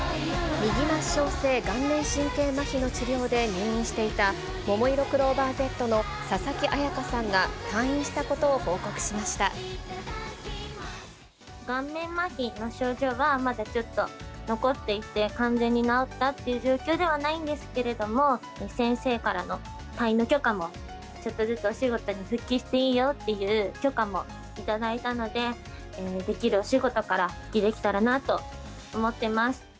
右末梢性顔面神経まひの治療で入院していたももいろクローバーＺの佐々木彩夏さんが退院した顔面まひの症状はまだちょっと残っていて、完全に治ったっていう状況ではないんですけれども、先生からの退院の許可もちょっとずつ、お仕事に復帰していいよっていう許可も頂いたので、できるお仕事から復帰できたらなと思ってます。